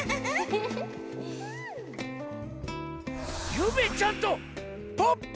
ゆめちゃんとポッポ？